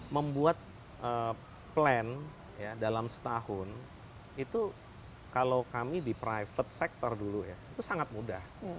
membuat plan ya dalam setahun itu kalau kami di private sector dulu ya itu sangat mudah